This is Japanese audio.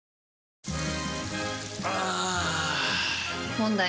問題。